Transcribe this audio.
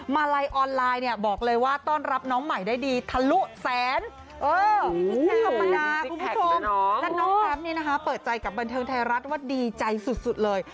มาไลน์ออนไลน์เนี่ยบอกเลยว่าต้อนรับน้องใหม่ได้ดีทะลุแสนและน้องครับเปิดใจกับบันเทิงไทยรัฐว่าดีใจสุดเลย